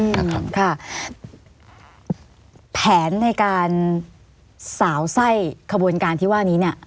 นะครับค่ะแผนในการสาวไส้ขบวนการที่ว่านี้เนี่ย